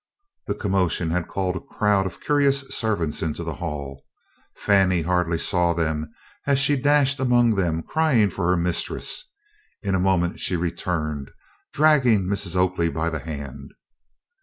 The commotion had called a crowd of curious servants into the hall. Fannie hardly saw them as she dashed among them, crying for her mistress. In a moment she returned, dragging Mrs. Oakley by the hand.